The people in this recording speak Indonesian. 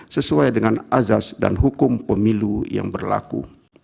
sesuai dengan azas dan hukum pemilu yang berlaku